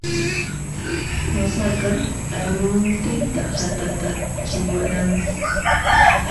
Qasaqa, aylluntinta khatatatachiwaranku.